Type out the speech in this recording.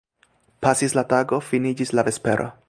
Pasis la tago, finiĝis la vespero.